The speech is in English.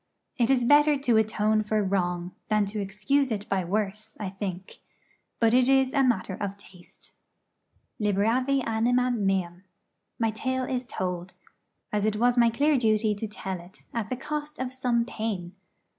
It is better to atone for wrong than to excuse it by worse, I think; but it is a matter of taste. 'Liberavi animam meam.' My tale is told, as it was my clear duty to tell it, at the cost of some pain.